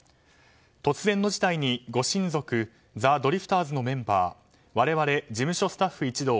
突然の事態に、ご親族ザ・ドリフターズのメンバー我々事務所スタッフ一同